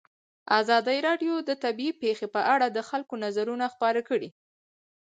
ازادي راډیو د طبیعي پېښې په اړه د خلکو نظرونه خپاره کړي.